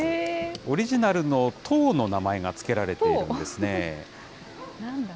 オリジナルの党の名前が付けられているんですね。